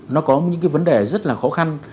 nó có những cái vấn đề rất là khó khăn